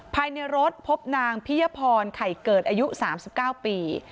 ภายในรถพบนางพิยพรไข่เกิดอายุ๓๙ปี